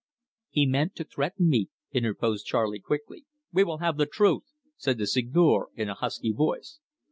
"He meant to threaten me," interposed Charley quickly. "We will have the truth!" said the Seigneur, in a husky voice.